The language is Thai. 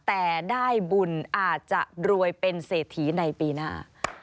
แต่ได้บุญอาจจะรวยเป็นเศรษฐีในปีหน้า